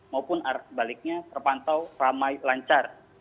maupun baliknya terpantau ramai lancar